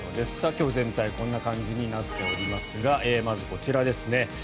今日は全体こんな感じになっておりますがまず、こちらですね。